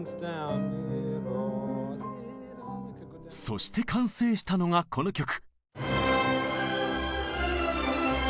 そして完成したのがこの曲。